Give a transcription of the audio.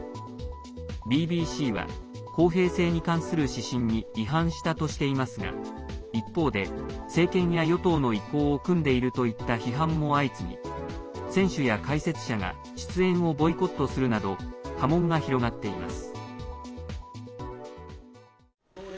ＢＢＣは公平性に関する指針に違反したとしていますが一方で、政権や与党の意向をくんでいるといった批判も相次ぎ選手や解説者が出演をボイコットするなど波紋が広がっています。